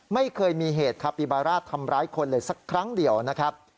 ไม่เคยมีเหตุคาปิบาร่าทำร้ายคนเลยสักครั้งเดียวนะครับ